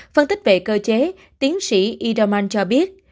phân tích về cơ chế tiến sĩ idaman cho biết